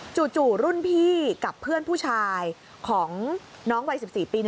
จู่รุ่นพี่กับเพื่อนผู้ชายของน้องวัย๑๔ปี